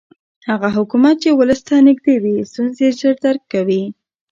هغه حکومت چې ولس ته نږدې وي ستونزې ژر درک کوي